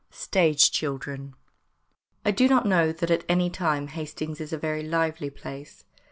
STAGE CHILDREN I DO not know that at any time Hastings is a very lively place.